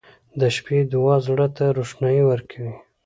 • د شپې دعا زړه ته روښنایي ورکوي.